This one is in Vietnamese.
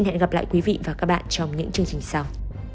hẹn gặp lại các bạn trong những chương trình sau